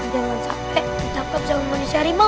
jangan sampai kita kapsal manusia harimau